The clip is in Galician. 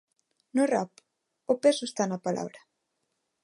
No rap, o peso está na palabra.